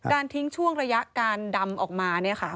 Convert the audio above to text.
ทิ้งช่วงระยะการดำออกมาเนี่ยค่ะ